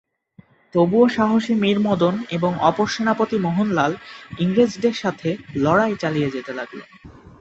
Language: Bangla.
তবুও সাহসী মীর মদন এবং অপর সেনাপতি মোহন লাল ইংরেজদের সাথে লড়াই চালিয়ে যেতে লাগলেন।